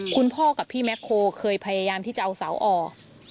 พ่อกับพี่แม็กโคเคยพยายามที่จะเอาเสาออก